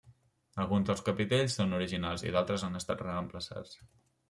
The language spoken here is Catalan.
Alguns dels capitells són originals i d'altres han estat reemplaçats.